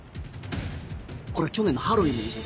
これは去年のハロウィーンの映像だ。